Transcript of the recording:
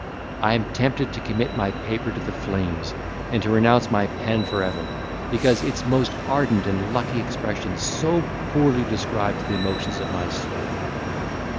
I am tempted to commit my paper to the flames, and to renounce my pen for ever, because its most ardent and lucky expression so poorly describes the emotions of my soul.